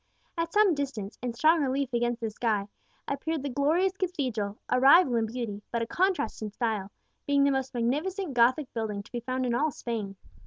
At some distance, in strong relief against the sky, appeared the glorious Cathedral, a rival in beauty, but a contrast in style, being the most magnificent Gothic building to be found in all Spain.